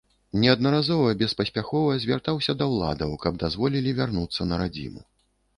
Неаднаразова беспаспяхова звяртаўся да ўладаў каб дазволілі вярнуцца на радзіму.